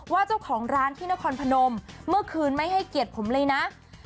ว่าเจ้าของร้านที่นครพนมเมื่อคืนไม่ให้เกียรติผมเลยนะ